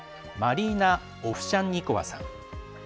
マリーナ・オフシャンニコワさん。